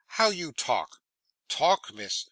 'How you talk!' 'Talk, miss!